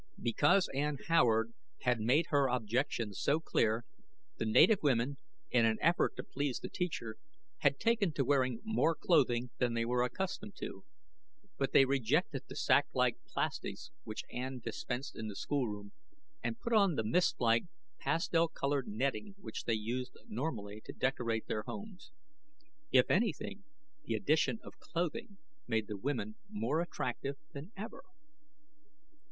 Because Ann Howard had made her objections so clear, the native women, in an effort to please the teacher, had taken to wearing more clothing than they were accustomed to. But they rejected the sack like plastics which Ann dispensed in the schoolroom and put on the mist like, pastel colored netting which they used normally to decorate their homes. If anything, the addition of clothing made the women more attractive than ever.